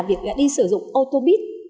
việc đi sử dụng ô tô bít